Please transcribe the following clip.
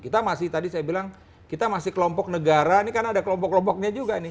kita masih tadi saya bilang kita masih kelompok negara ini karena ada kelompok kelompoknya juga nih